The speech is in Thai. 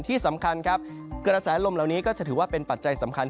ที่สำคัญครับกระแสลมเหล่านี้ก็จะถือว่าเป็นปัจจัยสำคัญ